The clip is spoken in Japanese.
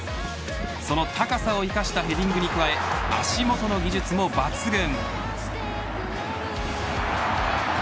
その高さを生かしたヘディングに加え足元の技術も抜群。